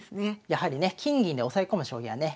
やはりね金銀で押さえ込む将棋はね